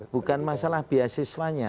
bukan masalah biasiswanya